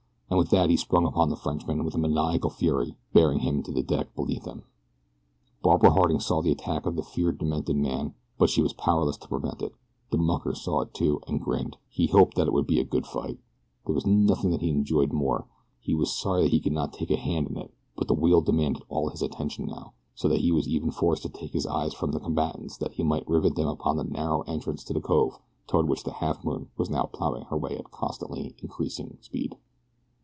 and with that he sprang upon the Frenchman with maniacal fury, bearing him to the deck beneath him. Barbara Harding saw the attack of the fear demented man, but she was powerless to prevent it. The mucker saw it too, and grinned he hoped that it would be a good fight; there was nothing that he enjoyed more. He was sorry that he could not take a hand in it, but the wheel demanded all his attention now, so that he was even forced to take his eyes from the combatants that he might rivet them upon the narrow entrance to the cove toward which the Halfmoon was now plowing her way at constantly increasing speed.